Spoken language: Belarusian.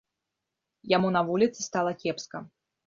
Яму на вуліцы стала кепска.